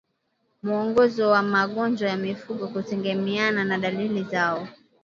Mwongozo wa magonjwa ya mifugo kutegemeana na dalili zao